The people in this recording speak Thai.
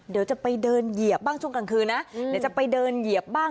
เดี๋ยวจะไปเดินเหยียบบ้างช่วงกลางคืนนะเดี๋ยวจะไปเดินเหยียบบ้าง